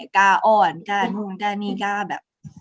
กล้าอ้อนกล้านู่นกล้านี่กล้าแบบ